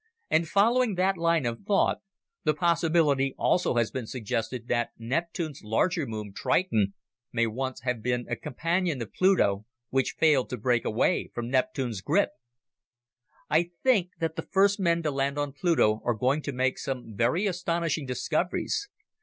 And following that line of thought, the possibility also has been suggested that Neptune's larger moon, Triton, may once have been a companion of Pluto which failed to break away from Neptune's grip! I think that the first men to land on Pluto are going to make some very astonishing discoveries.